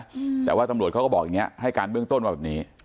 อืมแต่ว่าตำรวจเขาก็บอกอย่างเงี้ให้การเบื้องต้นว่าแบบนี้